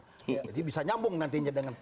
jadi bisa nyambung nantinya dengan